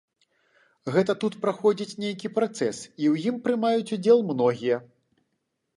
Гэта тут праходзіць нейкі працэс, і ў ім прымаюць удзел многія.